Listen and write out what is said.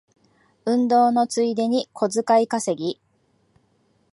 運動のついでに小遣い稼ぎ